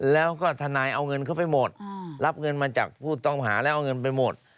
แล้วก็ทนายเอาเงินเข้าไปหมดรับเงินมาจากผู้ต้องหาแล้วเอาเงินไปหมด